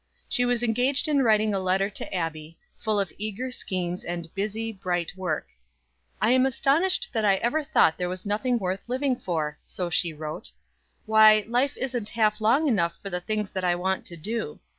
She was engaged in writing a letter to Abbie, full of eager schemes and busy, bright work. "I am astonished that I ever thought there was nothing worth living for;" so she wrote. "Why life isn't half long enough for the things that I want to do.